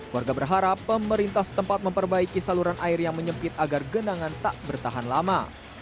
warga berharap pemerintah setempat memperbaiki saluran air yang menyempit agar genangan tak bertahan lama